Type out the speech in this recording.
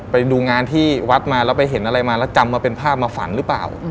ไปดูงานที่วัดมาแล้วไปเห็นอะไรมาแล้วจำว่าเป็นภาพมาฝันหรือเปล่า